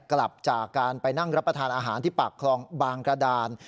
กลับจากการไปนั่งรับประทานอาหารที่ปากคลองบางกระดาน